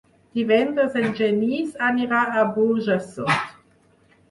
Divendres en Genís anirà a Burjassot.